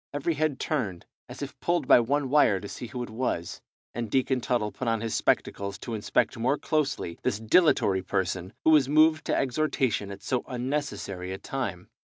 Every head turned as if pulled by one wire to see who it was, and Deacon Tuttle put on his spectacles to inspect more closely this dilatory person, who was moved to exhortation at so unnecessary a time.